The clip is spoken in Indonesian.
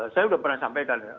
saya sudah pernah sampaikan